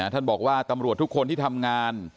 ท่านบอกว่าตำรวจทุกคนที่ทำงาน